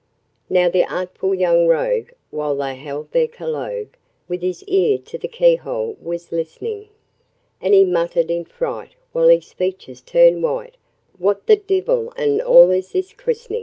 Now the artful young rogue, while they held their collogue, With his ear to the keyhole was listenin', And he muttered in fright, while his features turned white, 'What the divil and all is this christenin'?'